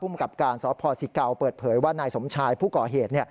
ผู้มกับการสศ๑๙เปิดเผยว่านายสมชายผู้ก่อเหตุ